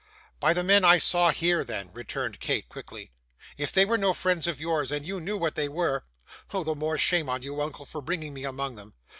'By the men I saw here, then,' returned Kate, quickly. 'If they were no friends of yours, and you knew what they were, oh, the more shame on you, uncle, for bringing me among them.